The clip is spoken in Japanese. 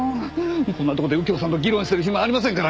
こんなとこで右京さんと議論してる暇ありませんから！